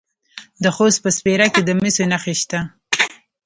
د خوست په سپیره کې د مسو نښې شته.